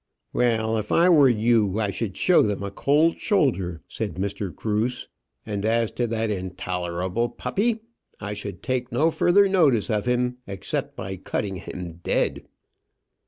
"Well, if I were you, I should show them a cold shoulder," said Mr. Cruse; "and as to that intolerable puppy, I should take no further notice of him, except by cutting him dead."